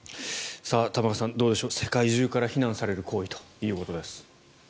玉川さん、どうでしょう世界中から非難される行為ということです。